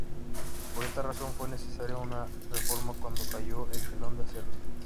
Por esta razón fue necesaria una reforma cuando cayó el Telón de Acero.